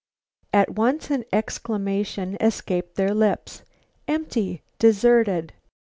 At once an exclamation escaped their lips: "Empty! Deserted!"